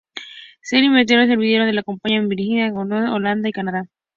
Se intervinieron servidores de la compañía en Virginia, Washington, Holanda y Canadá.